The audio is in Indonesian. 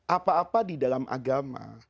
apa apa di dalam agama